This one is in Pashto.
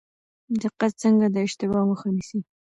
دقت څنګه د اشتباه مخه نیسي؟